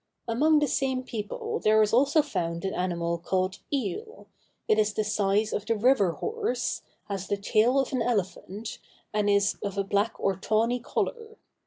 Among the same people, there is also found an animal called eale; it is the size of the river horse, has the tail of the elephant, and is of a black or tawny color.